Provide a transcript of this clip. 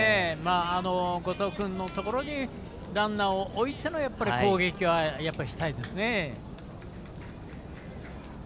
後藤君のところにランナーを置いての攻撃はしたいですね。